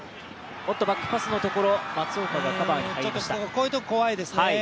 こういうところ怖いですね。